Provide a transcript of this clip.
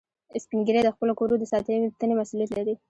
سپین ږیری د خپلو کورو د ساتنې مسؤولیت لري